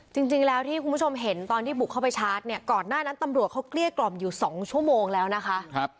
จริงแล้วที่คุณผู้ชมเห็นตอนที่บุกเข้าไปชาร์จเนี่ยก่อนหน้านั้นตำรวจเขาเกลี้ยกล่อมอยู่๒ชั่วโมงแล้วนะคะ